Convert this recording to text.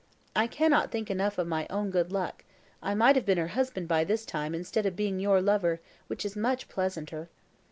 I Cannot think enough of my own good luck; I might have been her husband by this time instead of being your lover, which is much pleasanter.